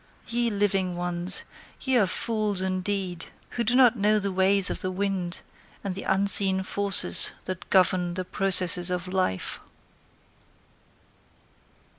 Ye living ones, ye are fools indeed Who do not know the ways of the wind And the unseen forces That govern the processes of life.